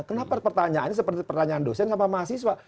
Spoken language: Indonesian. kenapa pertanyaannya seperti pertanyaan dosen sama mahasiswa